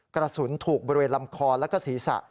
กระสุนถูกบริเวณลำคอแล้วก็ศีรษะ